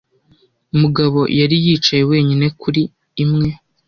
Mugabo yari yicaye wenyine kuri imwe